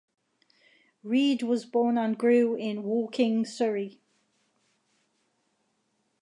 Reed was born and grew in Woking, Surrey.